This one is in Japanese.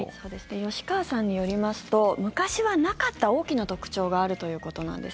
吉川さんによりますと昔はなかった大きな特徴があるということなんです。